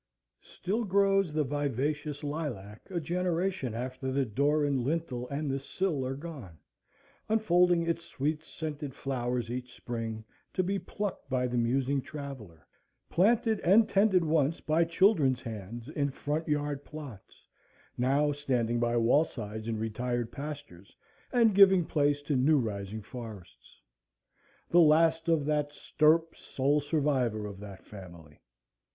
Still grows the vivacious lilac a generation after the door and lintel and the sill are gone, unfolding its sweet scented flowers each spring, to be plucked by the musing traveller; planted and tended once by children's hands, in front yard plots,—now standing by wall sides in retired pastures, and giving place to new rising forests;—the last of that stirp, sole survivor of that family.